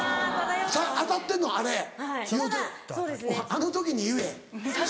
あの時に言え。